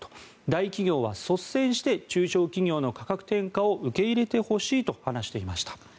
大企業は率先して中小企業の価格転嫁を受け入れてほしいと話していました。